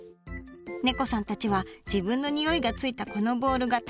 ねこさんたちは自分のにおいがついたこのボールが大層お気に入り。